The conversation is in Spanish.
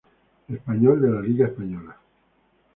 Espanyol de la Liga española.